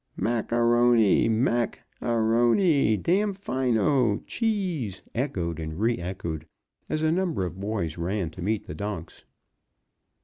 "Mac A'Rony! Mac A'Rony! Damfino! Cheese!" echoed and re echoed, as a number of boys ran to meet the donks.